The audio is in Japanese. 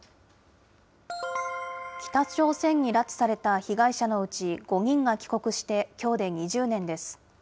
北朝鮮に拉致された被害者のうち、５人が帰国してきょうで２０年です。